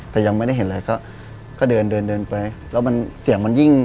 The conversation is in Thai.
แต่ยังไม่ได้เห็นเลย